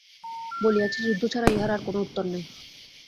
বলিয়াছি, যুদ্ধ ছাড়া ইহার আর কোনো উত্তর নাই।